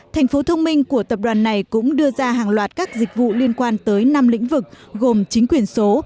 thành phố thông minh của tập đoàn này cũng đưa ra hàng loạt các dịch vụ liên quan tới năm lĩnh vực gồm chính quyền số